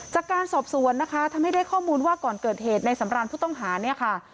จากการสอบสวนนะคะทำให้ได้ข้อมูลว่าก่อนเกิดเหตุในสำรานผู้ต้องหาเนี่ยค่ะ